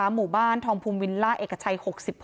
หมู่บ้านพรภูมิวิรไดเอกชัย๖๖